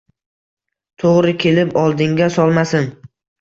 To‘g‘ri kelib oldingga solmasin.